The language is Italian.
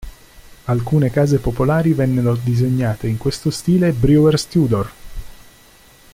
Alcune case popolari vennero disegnate in questo stile "Brewer's Tudor".